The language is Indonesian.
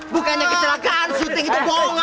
bukannya kecelakaan syuting itu bohong